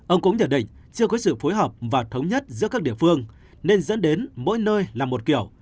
ông cũng nhận định chưa có sự phối hợp và thống nhất giữa các địa phương nên dẫn đến mỗi nơi là một kiểu